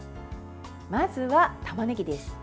まずは、たまねぎです。